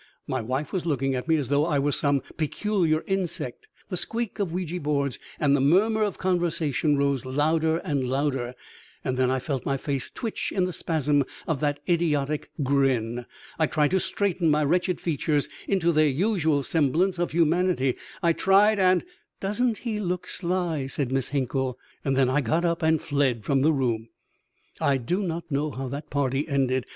My wife was looking at me as though I were some peculiar insect. The squeak of Ouija boards and the murmur of conversation rose louder and louder, and then I felt my face twitch in the spasm of that idiotic grin. I tried to straighten my wretched features into their usual semblance of humanity, I tried and "Doesn't he look sly!" said Miss Hinkle. And then I got up and fled from the room. I do not know how that party ended.